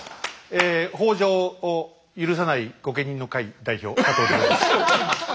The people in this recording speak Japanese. え北条を許さない御家人の会代表佐藤二朗です。